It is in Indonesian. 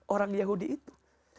orang yahudi itu